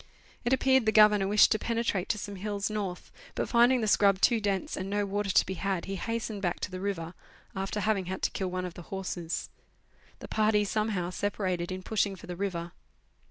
It appeared the Governor wished to penetrate to some hills north, but finding the scrub too dense, and no water to be had, he hastened back to the river, after having had to kill one of the horses. The party, somehow, sepa rated in pushing for the river.